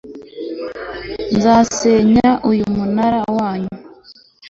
nzasenya uyu munara wanyu